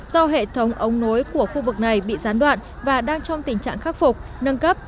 do hệ thống ống nối của khu vực này bị gián đoạn và đang trong tình trạng khắc phục nâng cấp